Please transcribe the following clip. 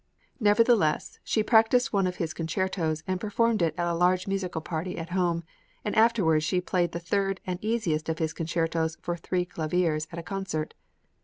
Nevertheless, she practised one of his concertos, and performed it at a large musical party at home; and afterwards she played the third and easiest of his concertos for three claviers at a concert.